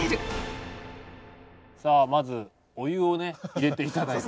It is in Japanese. まずお湯をね入れて頂いて。